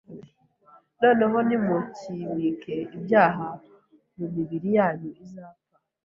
Noneho ntimukimike ibyaha mu mibiri yanyu izapfa,